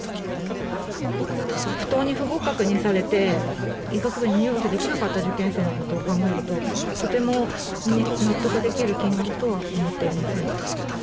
不当に不合格にされて、医学部に入学できなかった受験生のことを考えると、とても納得できる金額とは思っていません。